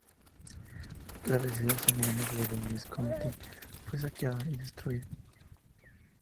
La residencia milanesa de los Visconti fue saqueada y destruida.